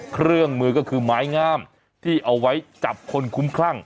เครื่องมือก็คือไม้งามที่เอาไว้จับคนคุ้มคลั่ง